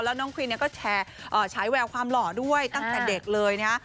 แล้วน้องควีนก็แชร์ใช้แววความหล่อด้วยตั้งแต่เด็กเลย